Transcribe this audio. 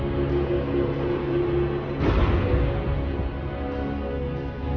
kita harus sambut ke depan